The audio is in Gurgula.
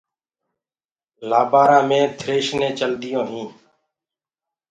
لآبآرآ مي ٿريشرينٚ چلديونٚ هينٚ۔